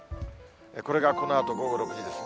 これがこのあと午後６時ですね。